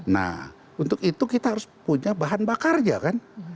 nah untuk itu kita harus punya bahan bakarnya kan